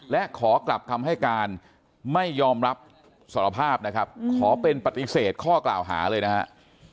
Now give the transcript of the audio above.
และขอกลับคำให้การไม่ยอมรับสารภาพนะครับขอเป็นปฏิเสธข้อกล่าวหาเลยนะครับ